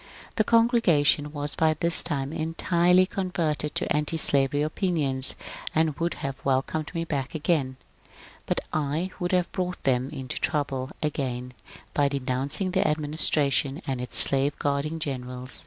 The congregation was by this time entirely converted to ^tislavery opinions, and would have welcomed me back again. But I would have brought them into trouble again by denouncing the administration and its slave guarding generals.